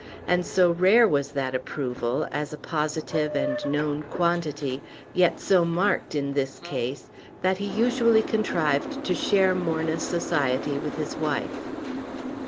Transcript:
And so rare was that approval, as a positive and known quantity, yet so marked in this case, that he usually contrived to share Morna's society with his wife.